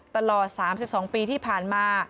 ตลอด๓๒ปีที่ผ่านมา